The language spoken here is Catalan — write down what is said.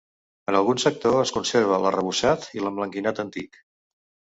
En algun sector es conserva l'arrebossat i l'emblanquinat antic.